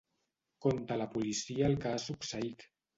Conta a la policia el que ha succeït.